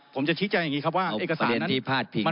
ผมจะชี้แจงอย่างงี้ครับว่าเอกสารนั้นเอาประเด็นที่พลาดพิงที่ท่าน